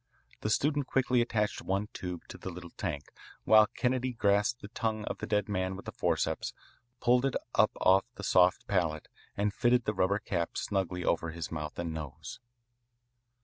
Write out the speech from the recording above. The student quickly attached one tube to the little tank, while Kennedy grasped the tongue of the dead man with the forceps, pulled it up off the soft palate, and fitted the rubber cap snugly over his mouth and nose.